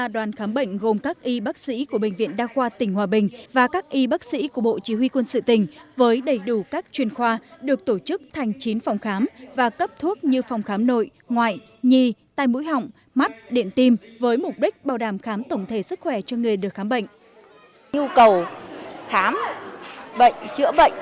đoàn cán bộ gồm hai mươi năm y bác sĩ của bệnh viện đa khoa tỉnh hòa bình và các y bác sĩ của bộ chỉ huy quân sự tỉnh đã tổ chức khám bệnh tư vấn sức khỏe và cấp phát thuốc miễn phí cho gần bốn trăm linh bà con nhân dân của xã mường tuồng một xã đà bắc tỉnh hòa bình